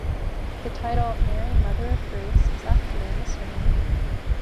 The title, "Mary, Mother of Grace" is actually a misnomer.